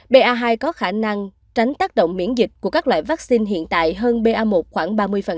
ba hai có khả năng tránh tác động miễn dịch của các loại vaccine hiện tại hơn ba một khoảng ba mươi